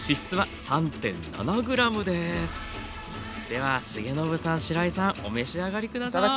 では重信さんしらいさんお召し上がり下さい。